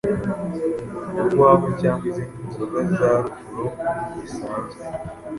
urwagwa cyangwa izindi nzoga za rufuro zisanzwe.